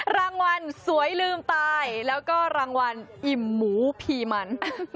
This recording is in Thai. รางวัลสวยลืมตายแล้วก็รางวัลอิ่มหมูพีมัน